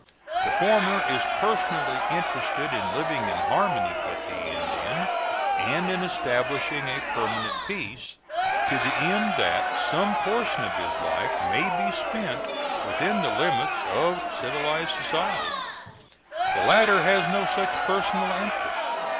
The former is personally interested in living in harmony with the Indian and in establishing a permanent peace, to the end that some portion of his life may be spent within the limits of civilized society; the latter has no such personal interest.